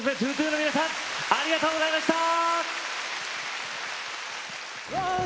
２２の皆さんありがとうございました。